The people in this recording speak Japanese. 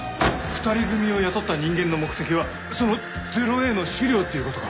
２人組を雇った人間の目的はその０−Ａの資料っていう事か。